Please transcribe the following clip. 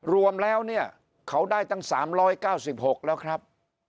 รวมแล้วเนี่ยเขาได้ตั้ง๓๙๖แล้วครับ